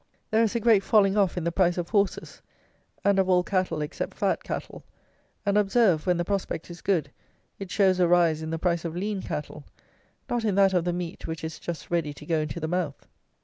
There is a great falling off in the price of horses, and of all cattle except fat cattle; and, observe, when the prospect is good, it shows a rise in the price of lean cattle; not in that of the meat which is just ready to go into the mouth.